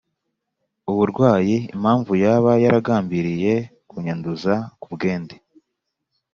uburwayi, impamvu yaba yaragambiriye kunyanduza ku bwende.